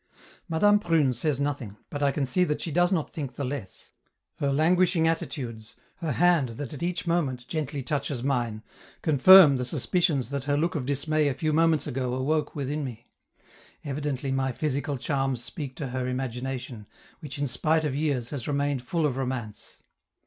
Madame Prune says nothing, but I can see that she does not think the less; her languishing attitudes, her hand that at each moment gently touches mine, confirm the suspicions that her look of dismay a few moments ago awoke within me: evidently my physical charms speak to her imagination, which in spite of years has remained full of romance!